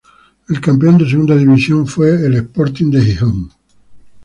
El campeón de Segunda División fue el Sporting de Gijón.